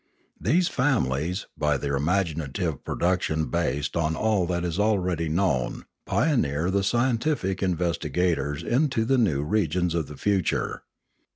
These families by their imaginative productions based on all that is already known pioneer the scientific investi gators into the new regions of the future.